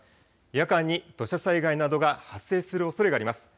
夜間に土砂災害などが発生するおそれがあります。